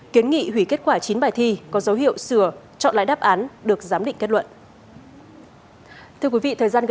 kiến nghị hủy kết quả chín bài thi có dấu hiệu sửa chọn lãi đáp án được giám định kết luận